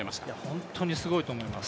本当にすごいと思います。